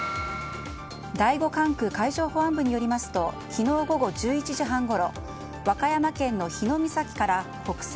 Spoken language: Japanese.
第５管区海上保安部によりますと昨日午後１１時半ごろ和歌山県の日ノ御埼から北西